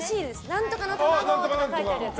何とかの卵って書いてあるやつ。